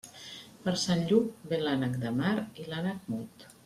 Per Sant Lluc ve l'ànec de mar i l'ànec mut.